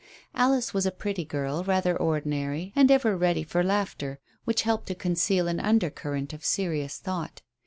Alice was a pretty girl, rather ordinary, and ever ready for laughter, which helped to conceal an undercurrent of serious thought.